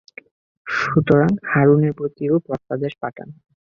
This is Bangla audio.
সুতরাং হারূনের প্রতিও প্রত্যাদেশ পাঠান!